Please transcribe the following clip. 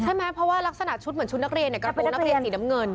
ใช่ไหมเพราะว่ารักษณะชุดเหมือนชุดนักเรียนกระโปรงนักเรียนสีน้ำเงิน